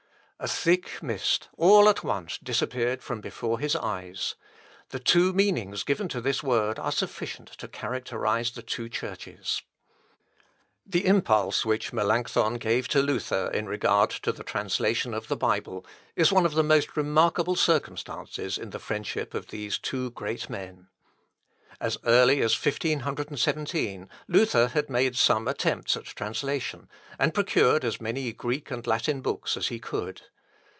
A thick mist all at once disappeared from before his eyes. The two meanings given to this word are sufficient to characterise the two churches. The impulse which Melancthon gave to Luther, in regard to the translation of the Bible, is one of the most remarkable circumstances in the friendship of these two great men. As early as 1517, Luther had made some attempts at translation, and procured as many Greek and Latin books as he could.